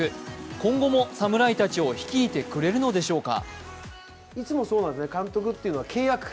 今後も侍たちを率いてくれるのでしょうか。